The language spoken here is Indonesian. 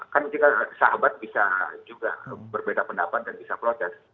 kan kita sahabat bisa juga berbeda pendapat dan bisa protes